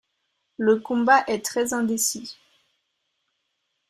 Le combat est très indécis.